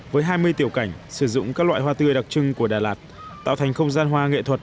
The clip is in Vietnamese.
với hai mươi tiểu cảnh sử dụng các loại hoa tươi đặc trưng của đà lạt tạo thành không gian hoa nghệ thuật